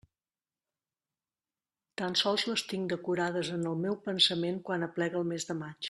Tan sols les tinc decorades en el meu pensament quan aplega el mes de maig.